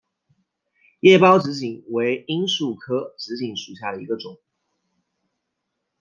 叶苞紫堇为罂粟科紫堇属下的一个种。